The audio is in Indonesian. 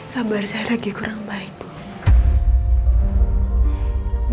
kabar saya lagi kurang baik